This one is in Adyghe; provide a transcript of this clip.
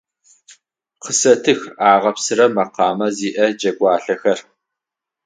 Къысэтых агъэпсырэ мэкъамэ зиӏэ джэгуалъэхэр.